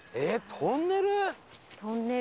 トンネル。